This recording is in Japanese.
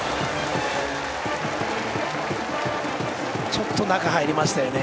ちょっと中に入りましたね。